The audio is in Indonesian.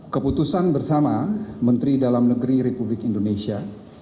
keputusan bersama menteri dalam negeri republik indonesia